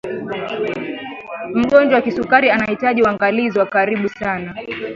mgonjwa wa kisukari anahitaji uangalizi wa karibu sana